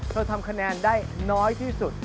ทำคะแนนได้น้อยที่สุด